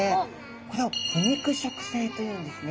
これを腐肉食性というんですね。